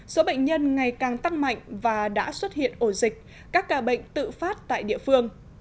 số bệnh nhân ngày càng tăng mạnh và đã xuất hiện ổ dịch các ca bệnh tự phát tại địa phương